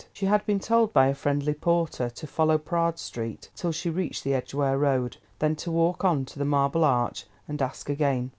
She had been told by a friendly porter to follow Praed Street till she reached the Edgware Road, then to walk on to the Marble Arch, and ask again.